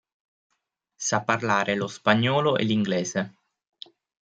Sa parlare lo spagnolo e l'inglese.